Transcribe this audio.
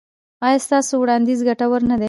ایا ستاسو وړاندیز ګټور نه دی؟